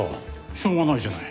しょうがないじゃない。